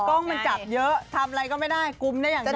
กล้องมันจับเยอะทำอะไรก็ไม่ได้กุมได้อย่างเดียว